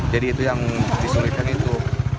jadi itu yang disulitkan itu